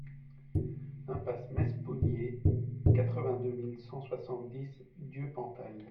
Impasse Mespoulié, quatre-vingt-deux mille cent soixante-dix Dieupentale